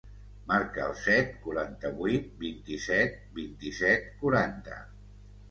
Marca el set, quaranta-vuit, vint-i-set, vint-i-set, quaranta.